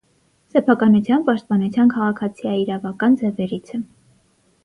Սեփականության պաշտպանության քաղաքացիաիրավական ձևերից է։